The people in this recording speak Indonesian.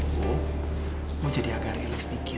gue jadi agak relaks dikit